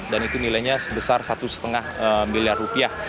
itu nilainya sebesar satu lima miliar rupiah